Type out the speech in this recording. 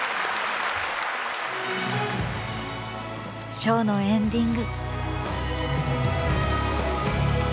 ショーのエンディング。